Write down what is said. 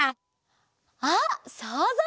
あっそうぞう！